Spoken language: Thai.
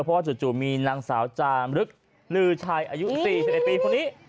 เพราะว่าจู่มีนางสาวจามรึกลือชัยอายุ๔๑ปีคนนี้